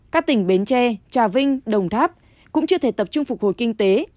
các tỉnh bến tre trà vinh đồng tháp cũng chưa thể tập trung phục hồi kinh tế